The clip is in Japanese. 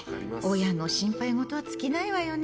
親の心配ごとは尽きないわよね。